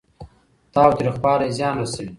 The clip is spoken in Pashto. تاوتريخوالی زيان رسوي.